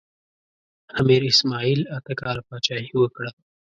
امیر اسماعیل اته کاله پاچاهي وکړه.